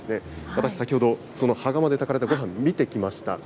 私、先ほど、その羽釜で炊かれたごはん、食べてきました。